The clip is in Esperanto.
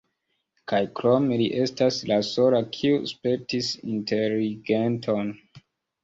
Kaj krome, li estas la sola kiu spertis inteligenton.